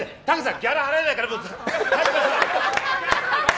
ギャラ払えないから、僕。